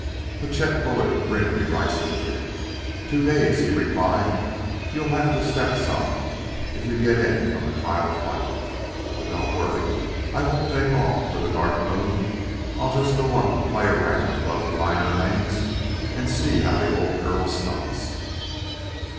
But Chet Bullard grinned derisively. "Two days!" he replied. "You'll have to step some if you get in on the trial flight. But don't worry; I won't take off for the Dark Moon. I'll just go up and play around above the liner lanes and see how the old girl stunts."